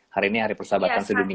hari ini hari persahabatan sedunia